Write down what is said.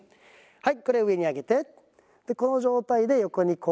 はい。